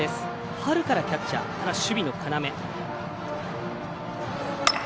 春からキャッチャー、守備の要。